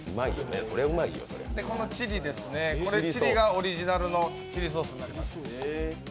このチリがオリジナルのチリソースになります。